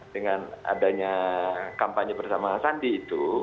dengan adanya kampanye bersama sandi itu